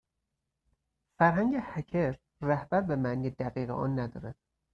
فرهنگ هکر، رهبر به معنی دقیق آن ندارد.